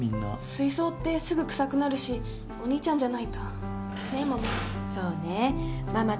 水槽ってすぐ臭くなるしお兄ちゃんじゃないとね、ママ。